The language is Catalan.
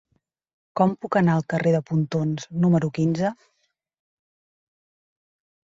Com puc anar al carrer de Pontons número quinze?